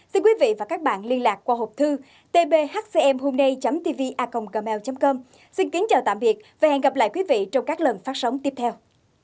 xin chào tạm biệt và hẹn gặp lại quý vị trong các lần phát sóng tiếp theo